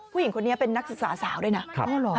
ผู้หญิงคนนี้เป็นนักศึกษาสาวด้วยนะ